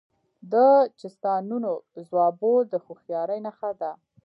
د چیستانونو ځوابول د هوښیارۍ نښه ده.